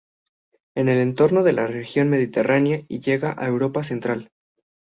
En el entorno de la región mediterránea y llega a Europa central.